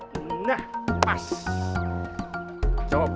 dalam kondisi lawan ini